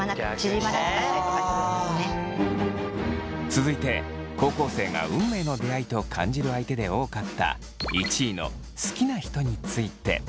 続いて高校生が運命の出会いと感じる相手で多かった１位の好きな人について。